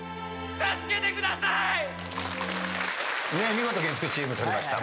見事月９チーム取りました。